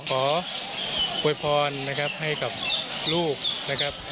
ขอปลอดภัณฑ์นะครับให้กับลูกนะครับ